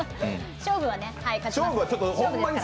勝負はね、勝ちます。